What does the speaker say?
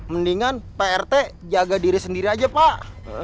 mendingan pak rt jaga diri sendiri aja pak